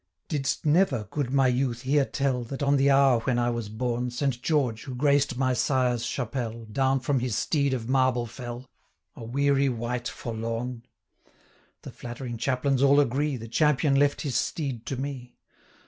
'Did'st never, good my youth, hear tell, That on the hour when I was born, Saint George, who graced my sire's chapelle, 555 Down from his steed of marble fell, A weary wight forlorn? The flattering chaplains all agree, The champion left his steed to me.